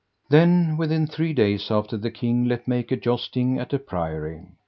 Then within three days after the king let make a jousting at a priory.